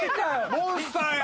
モンスターや！